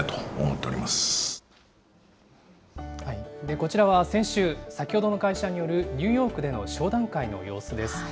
こちらは先週、先ほどの会社によるニューヨークでの商談会の様子です。